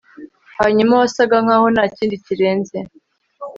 Hanyuma wasaga nkaho ntakindi kirenze